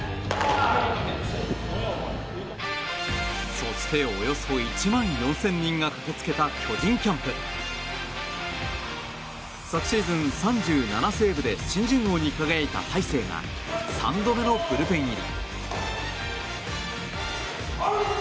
そしておよそ１万４０００人が駆け付けた巨人キャンプ。昨シーズン、３７セーブで新人王に輝いた大勢が３度目のブルペン入り。